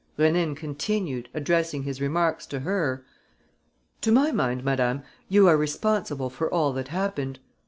Rénine continued, addressing his remarks to her: "To my mind, madame, you are responsible for all that happened.